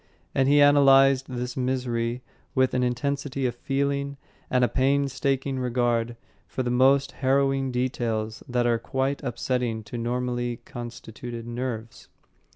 And he analysed this misery with an intensity of feeling and a painstaking regard for the most harrowing details that are quite upsetting to normally constituted nerves.